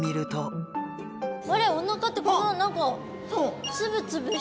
あれお腹ってこんな何かつぶつぶした。